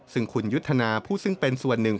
ซึ่งคุณยุทธนาผู้ซึ่งเป็นส่วนหนึ่ง